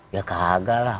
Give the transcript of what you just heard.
ya kagak lah